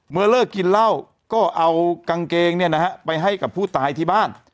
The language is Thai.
เมื่อเลิกกินเหล้าก็เอากางเกงเนี่ยนะฮะไปให้กับผู้ตายที่บ้าน